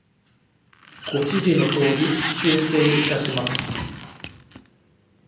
ご指示の通り、修正いたします。